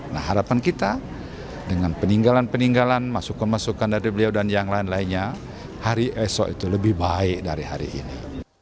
nah harapan kita dengan peninggalan peninggalan masukan masukan dari beliau dan yang lain lainnya hari esok itu lebih baik dari hari ini